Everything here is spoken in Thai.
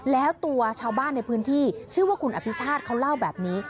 แล้วตัวชาวบ้านในพื้นที่ชื่อว่าคุณอภิชาติเขาเล่าแบบนี้